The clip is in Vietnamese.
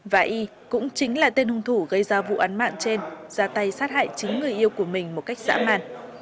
và y cũng chính là tên hung thủ gây ra vụ án mạng trên ra tay sát hại chính người yêu của mình một cách dã màn